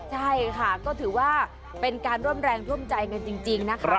ใช่ค่ะก็ถือว่าเป็นการร่วมแรงร่วมใจกันจริงนะคะ